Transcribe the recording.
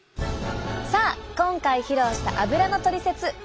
さあ今回披露したアブラのトリセツ。